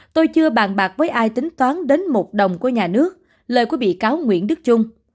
tôi chưa bàn bạc với ai tính toán đến một đồng của nhà nước lời của bị cáo nguyễn đức trung